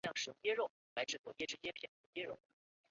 回京任谒者。